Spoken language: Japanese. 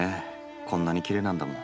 こんなにきれいなんだもん。